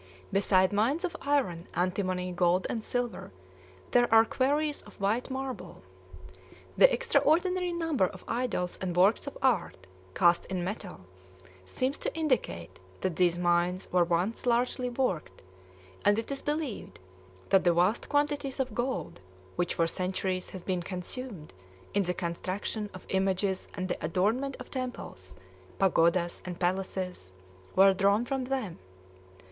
Beside mines of iron, antimony, gold, and silver, there are quarries of white marble. The extraordinary number of idols and works of art cast in metal seems to indicate that these mines were once largely worked; and it is believed that the vast quantities of gold which for centuries has been consumed in the construction of images and the adornment of temples, pagodas, and palaces, were drawn from them.